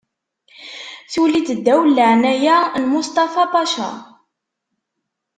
Tuli-d ddaw leɛnaya n Mustafa Paca.